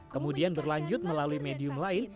kemudian berlanjut melalui medium lain